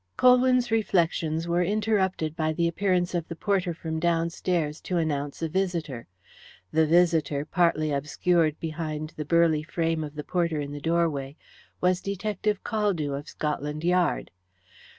Colwyn's reflections were interrupted by the appearance of the porter from downstairs to announce a visitor. The visitor, partly obscured behind the burly frame of the porter in the doorway, was Detective Caldew, of Scotland Yard.